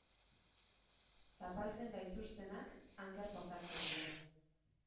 Zapaltzen gaituztenak anker portatzen dira.